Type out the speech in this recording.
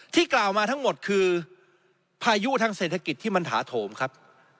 กล่าวมาทั้งหมดคือพายุทางเศรษฐกิจที่มันถาโถมครับ